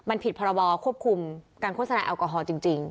มันผิดพรบควบคุมการโฆษณาแอลกอฮอล์จริง